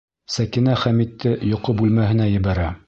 Сәкинә Хәмитте йоҡо бүлмәһенә ебәрә.